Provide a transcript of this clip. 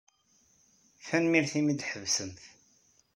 Tanemmirt imi ay d-tḥebsemt.